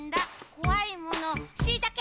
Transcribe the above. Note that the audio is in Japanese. こわいものしいたけ！